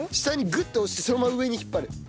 下にグッと押してそのまま上に引っ張る。